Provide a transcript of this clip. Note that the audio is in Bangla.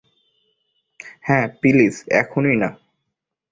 হ্যাঁ, প্লিজ এখনই না।